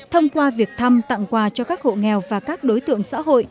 thông qua việc thăm tặng quà cho các hộ nghèo và các đối tượng xã hội